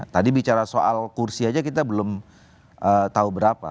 tadi bicara soal kursi aja kita belum tahu berapa